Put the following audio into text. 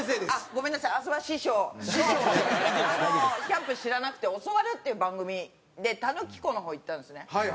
キャンプ知らなくて教わるっていう番組で田貫湖の方行ったんですね。